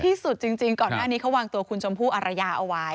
ที่สุดจริงก่อนหน้านี้เขาวางตัวคุณชมพู่อารยาเอาไว้